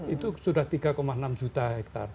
itu sudah tiga enam juta hektare